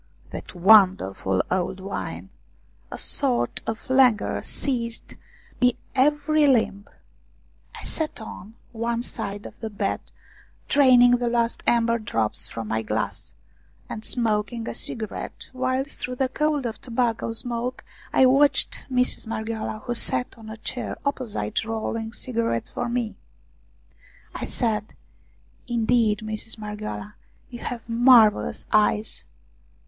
That wonderful old wine ! A sort of languor seized my every limb. I sat on one side of the bed, draining the last amber drops from my glass, and smoking a cigarette, while through the cloud of tobacco smoke I watched Mistress Marghioala who sat on a chair opposite rolling cigarettes for me. I said : "Indeed, Mistress Marghioala, you have mar vellous eyes